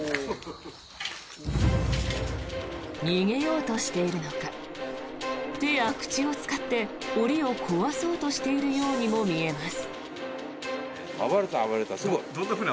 逃げようとしているのか手や口を使って檻を壊そうとしているようにも見えます。